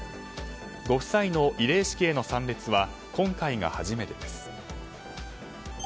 ご夫妻の慰霊式への参列は今回が初めてです。